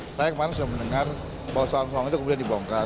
saya kemarin sudah mendengar bahwa sawang sawang itu kemudian dibongkar